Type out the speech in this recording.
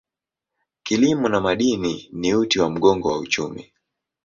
Kilimo na madini ni uti wa mgongo wa uchumi.